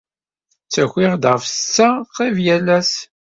Ttakiɣ-d ɣef ssetta qrib yal ass.